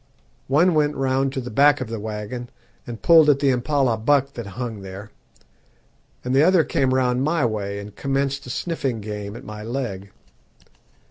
One went round to the back of the waggon and pulled at the Impala buck that hung there, and the other came round my way and commenced the sniffing game at my leg.